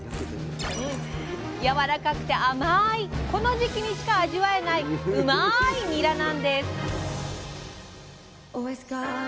やわらかくて甘いこの時期にしか味わえないうまいッ！